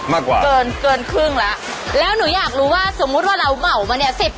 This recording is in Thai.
อ้าแผ่นเร็ว